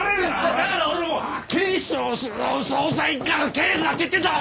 だから俺は警視庁捜査一課の刑事だって言ってんだろ！